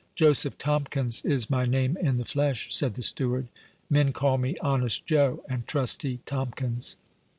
"Joseph Tomkins is my name in the flesh," said the steward. "Men call me Honest Joe, and Trusty Tomkins."